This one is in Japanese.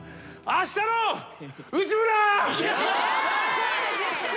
『あしたの内村！！』